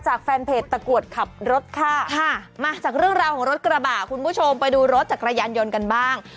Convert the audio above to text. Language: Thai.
ว่ามันก็คือเป็นเรื่องที่อาจจะเกิดขึ้นได้